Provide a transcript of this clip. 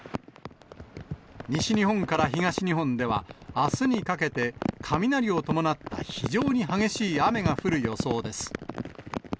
西日本から東日本ではあすにかけて、雷を伴った非常に激しい雨が降る予想です。